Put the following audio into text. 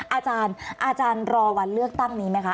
อาจารย์อาจารย์รอวันเลือกตั้งนี้ไหมคะ